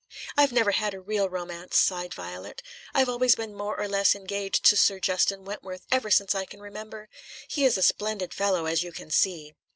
"I've never had a real romance," sighed Violet. "I've always been more or less engaged to Sir Justin Wentworth ever since I can remember. He is a splendid fellow, as you can see."